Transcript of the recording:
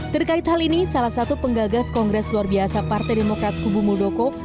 terkait hal ini salah satu penggagas kongres luar biasa partai demokrat kubu muldoko